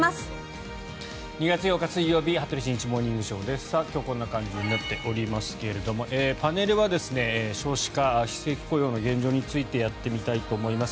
２月８日、水曜日「羽鳥慎一モーニングショー」。今日こんな感じになっておりますがパネルは少子化非正規雇用の現状についてやってみたいと思います。